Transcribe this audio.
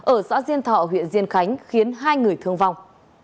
ở xã diên thọ huyện diên khánh khiến hai người thương vong